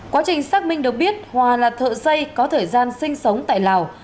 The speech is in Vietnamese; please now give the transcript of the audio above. quá trình xác minh được biết hòa là thợ xây có thời gian sinh sống tại lào